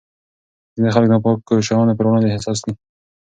ځینې خلک د ناپاکو شیانو پر وړاندې حساس دي.